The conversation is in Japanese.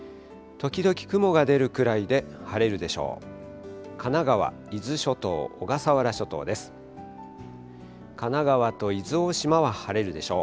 時々雲が出るくらいで、晴れるでしょう。